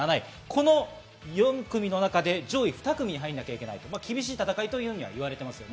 この４組の中で上位２組に入らなきゃいけない厳しい戦いです。